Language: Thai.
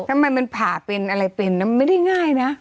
ทำไมมันผ่าเป็นอะไรเป็นมันไม่ได้ง่ายนะ